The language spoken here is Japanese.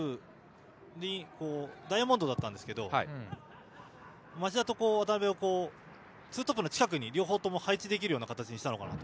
ダイヤモンドだったんですが町田と渡邉をツートップの近くに両方とも配置できる形にしたのかなと。